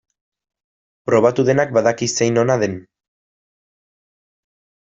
Probatu duenak badaki zein ona den.